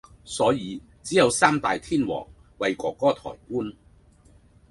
所以只有“三大天王”為“哥哥”抬棺。